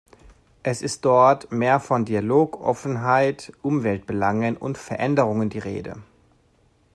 Es ist dort mehr von Dialog, Offenheit, Umweltbelangen und Veränderungen die Rede.